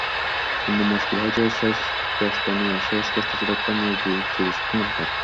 কিন্তু মুশকিল হয়েছে শেষ কেসটা নিয়ে, শেষ কেসটা ছিল একটা মুরগি চুরিসংক্রান্ত।